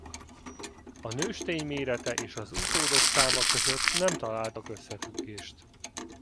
A nőstény mérete és az utódok száma között nem találtak összefüggést.